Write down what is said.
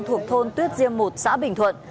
thuộc thôn tuyết diêm một xã bình thuận